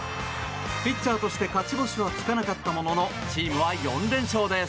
ピッチャーとして勝ち星はつかなかったもののチームは４連勝です。